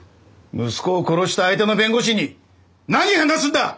息子を殺した相手の弁護士に何話すんだ！